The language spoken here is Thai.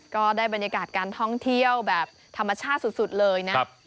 ก็ได้บรรยากาศการท่องเที่ยวแบบธรรมชาติสุดเลยนะ